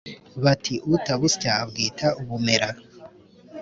bati: “utabusya abwita ubumera!”